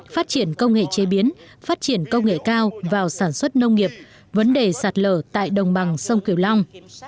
phát triển công nghệ chế biến phát triển công nghệ cao vào sản xuất nông nghiệp vấn đề sạt lở tại đồng bằng sông kiều long